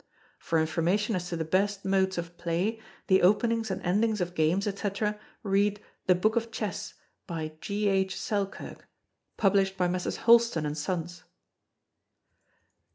For information as to the best modes of play, the Openings and Endings of Games, &c., read 'The Book of Chess', by G.H. Selkirk, published by Messrs. Houlston and Sons.